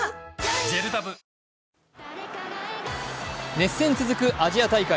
熱戦続くアジア大会。